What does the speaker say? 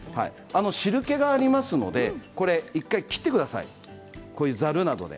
汁けがありますので１回切ってください、ざるなどで。